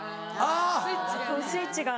スイッチがね。